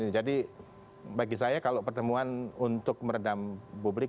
jadi bagi saya kalau pertemuan untuk meredam publik